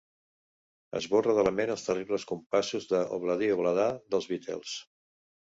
Esborra de la ment els terribles compassos de l'Obladi-Obladà dels Beatles.